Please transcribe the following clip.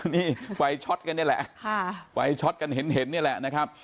นี่ไฟช็อตกันนี่แหละไฟช็อตกันเห็นนี่แหละนะครับ